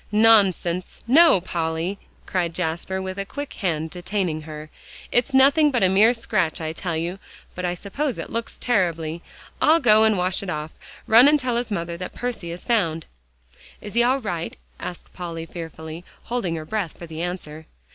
"Nonsense. No, Polly!" cried Jasper, with a quick hand detaining her, "it's nothing but a mere scratch, I tell you, but I suppose it looks terribly. I'll go and wash it off. Run and tell his mother that Percy is found." "Is he all right?" asked Polly fearfully, holding her breath for the answer.